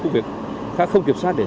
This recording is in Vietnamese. không kiểm soát để trốn tránh